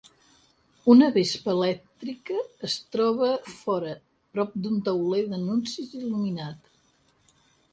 Una vespa elèctrica es troba fora prop d'un tauler d'anuncis il·luminat.